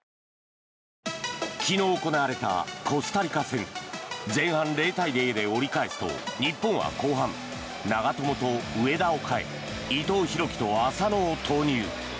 昨日行われたコスタリカ戦。前半０対０で折り返すと日本は後半、長友と上田を代え伊藤洋輝と浅野を投入。